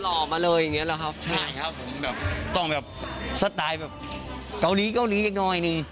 ห่อมาเลยอย่างเงี้หรอครับใช่ครับผมแบบต้องแบบสไตล์แบบเกาหลีเกาหลีอีกหน่อยหนึ่ง